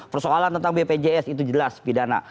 persoalan tentang bpjs itu jelas pidana